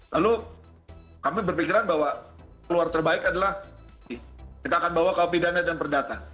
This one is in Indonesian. lalu kami berpikiran bahwa keluar terbaik adalah kita akan bawa ke pidana dan perdata